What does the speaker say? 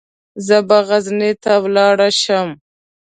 زه به غزني ته ولاړ شم.